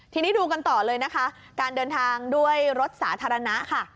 ทีนี้ดูกันต่อเลยนะคะการเดินทางด้วยรถสาธารณะค่ะ